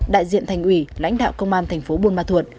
đại diện thành ủy lãnh đạo công an thành phố buôn ma thuột